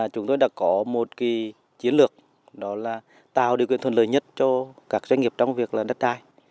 chúng tôi đã có một chiến lược đó là tạo điều kiện thuận lợi nhất cho các doanh nghiệp trong việc là đất đai